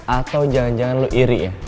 atau jangan jangan lu iri ya